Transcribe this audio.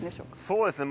そうですね